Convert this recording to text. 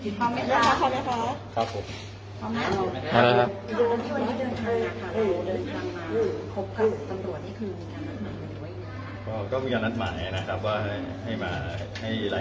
ในส่วนของตัวของคุณเองยืนยันเหมือนเดิมไหมครับ